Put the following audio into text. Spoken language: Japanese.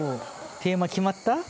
テーマ決まった？